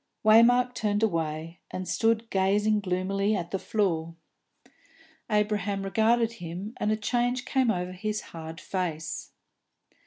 Waymark turned away, and stood gazing gloomily at the floor. Abraham regarded him, and a change came over his hard face.